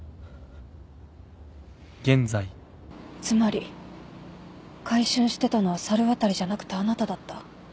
つまり買春してたのは猿渡じゃなくてあなただった。